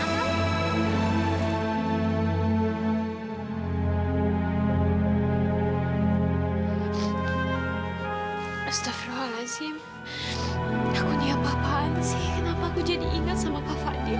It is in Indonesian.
astaghfirullahaladzim aku ingat papa ansih kenapa aku jadi ingat sama kak fadil